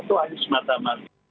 itu hanya semata mata